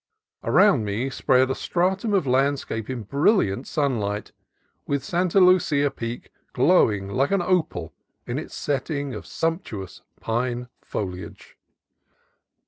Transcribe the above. Around me was spread a stratum of landscape in brilliant sunlight, with Santa Lucia Peak glowing like an opal in its setting of sumptuous pine foliage.